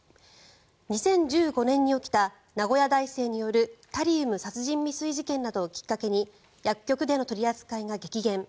２０１５年に起きた名古屋大生によるタリウム殺人未遂事件などをきっかけに薬局での取り扱いが激減。